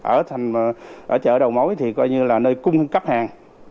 ở thành chợ đầu mối thì coi như là nơi cung cấp hàng